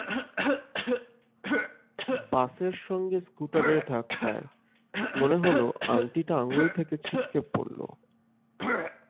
বাসের সঙ্গে স্কুটারের ধাক্কায় মনে হলো আংটিটা আঙুল থেকে ছিটকে পড়ল।